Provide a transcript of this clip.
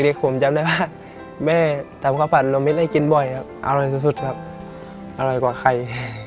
ผมจำได้ว่าแม่ทำข้าวผัดนมมิตรให้กินบ่อยครับอร่อยสุดสุดครับอร่อยกว่าใคร